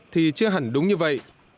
thì chưa hẳn đúng như vậy